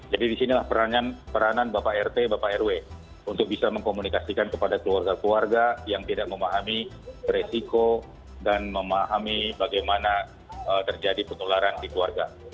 jadi disinilah peranan bapak rt bapak rw untuk bisa mengkomunikasikan kepada keluarga keluarga yang tidak memahami resiko dan memahami bagaimana terjadi penularan di keluarga